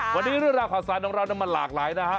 วันนี้เรื่องราวภาษาน้องเราน้ำมันหลากหลายนะฮะ